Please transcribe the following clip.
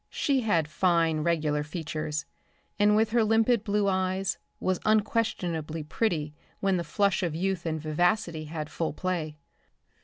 She had fine regular features, and with her limpid blue eyes was unquestionably pretty when the flush of youth and vivacity had full play.